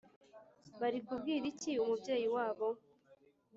Bari kubwira iki umubyeyi wabo